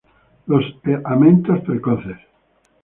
Los amentos precoces.